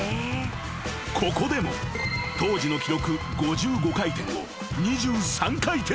［ここでも当時の記録５５回転を２３回転も更新］